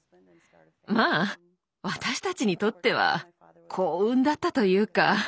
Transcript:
まあ私たちにとっては幸運だったというかなんていうかね。